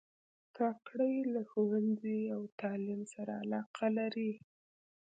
کاکړي له ښوونځي او تعلیم سره علاقه لري.